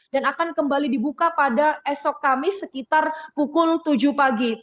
dan akan kembali dibuka pada esok kamis sekitar pukul tujuh pagi